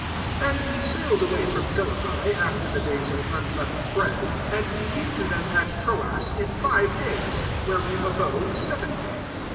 6 And we sail l away from Philippi after the ^s of unleavened bread, and t came to them at Troas in ^e days ; where we abode ven days.